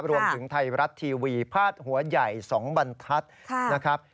รวมถึงไทยรัตน์ทีวีพาดหัวใหญ่สองบรรคัทนะครับ